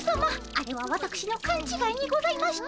あれはわたくしのかんちがいにございまして。